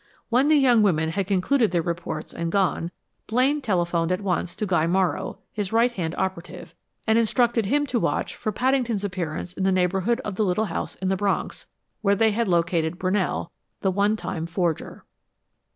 When the young women had concluded their reports and gone, Blaine telephoned at once to Guy Morrow, his right hand operative, and instructed him to watch for Paddington's appearance in the neighborhood of the little house in the Bronx, where they had located Brunell, the one time forger.